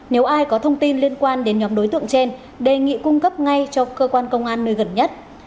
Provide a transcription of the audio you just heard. nếu ai có thông tin liên quan đến nhóm đối tượng trên đề nghị cung cấp ngay cho cơ quan công an nơi gần nhất